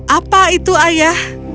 apa itu ayah